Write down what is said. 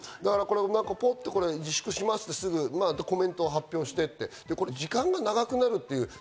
ポッと自粛しますって、それでコメントを発表して、時間が長くなるという。